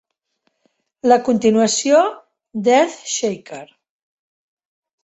La continuació d'Earthshaker!